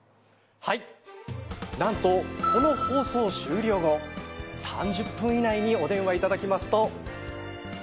はいなんとこの放送終了後３０分以内にお電話いただきますと。